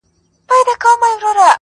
o د گور شپه نه پر کور کېږي!